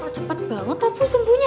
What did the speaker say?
kok cepet banget tuh ibu sembuhnya